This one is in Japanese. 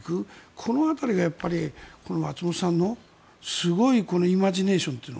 この辺りが松本さんの、すごいイマジネーションというの。